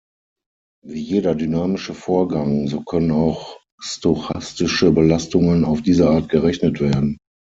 Wie jeder dynamische Vorgang, so können auch stochastische Belastungen auf diese Art gerechnet werden.